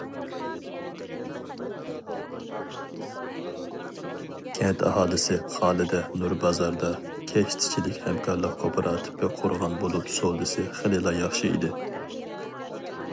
كەنت ئاھالىسى خالىدە نۇر بازاردا كەشتىچىلىك ھەمكارلىق كوپىراتىپى قۇرغان بولۇپ سودىسى خېلىلا ياخشى ئىدى.